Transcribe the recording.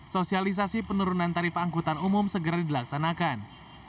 sosialisasi penurunan tarif angkutan umum segera dilaksanakan